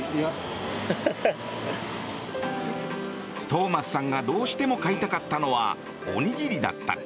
トーマスさんがどうしても買いたかったのはおにぎりだった。